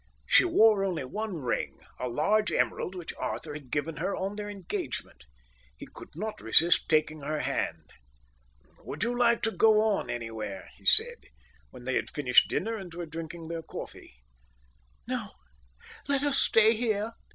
She wore only one ring, a large emerald which Arthur had given her on their engagement. He could not resist taking her hand. "Would you like to go on anywhere?" he said, when they had finished dinner and were drinking their coffee. "No, let us stay here.